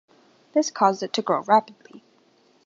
This caused it to grow rapidly.